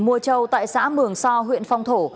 mùa châu tại xã mường so huyện phong thổ